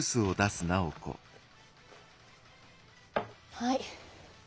・はい。